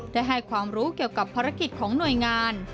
ได้ให้ความรู้เกี่ยวกับภารกิจของหน่วยงาน